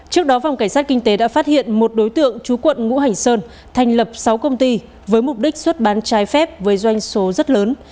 trước đó phòng cảnh sát kinh tế đã phát hiện một đối tượng chú quận ngũ hành sơn thành lập sáu công ty với mục đích xuất bán trái phép với doanh số rất lớn